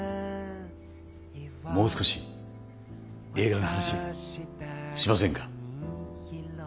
もう少し映画の話しませんか。